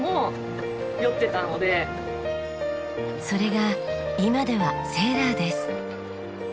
それが今ではセーラーです。